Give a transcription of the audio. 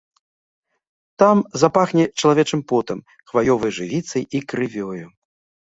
Там запахне чалавечым потам, хваёвай жывіцай і крывёю.